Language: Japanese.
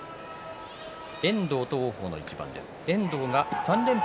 遠藤と王鵬の一番です。